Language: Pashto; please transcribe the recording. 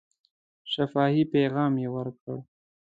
شفاهي پیغام یې ورکړ.